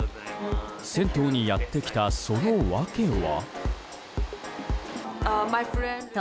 銭湯にやってきた、その訳は。